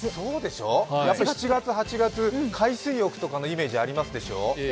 ７月、８月、海水浴のイメージとかありますでしょ。